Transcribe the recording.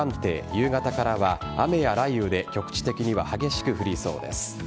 夕方からは雨や雷雨で局地的には激しく降りそうです。